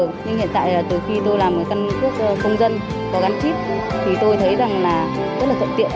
nhưng hiện tại là từ khi tôi làm một căn cấp công dân có gắn chip thì tôi thấy rằng là rất là phận tiện